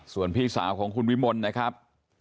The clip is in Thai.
ส่วนพี่สาวของคุณวิมลนะครับ